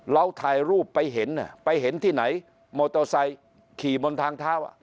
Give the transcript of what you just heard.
เราถ่ายรูปไปเห็นไปเห็นที่ไหนมอเตอร์ไซค์ขี่บนทางเท้า